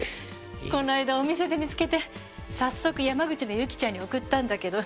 この間お店で見つけて早速山口のユキちゃんに送ったんだけど。